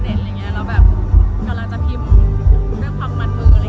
นอกจากช่วยช่วยเรานี่